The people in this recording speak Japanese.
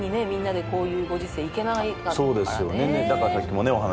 みんなでこういうご時世行けなかったからね。